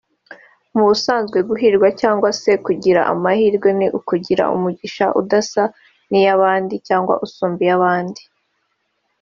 Mu busanzwe guhirwa cyangwa se kugira amahirwe ni ukugira umugisha udasa n'iyabandi cyangwa usumba iy'abandi